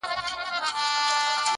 ښاا ځې نو _